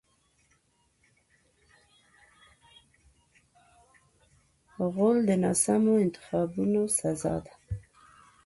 غول د ناسمو انتخابونو سزا ده.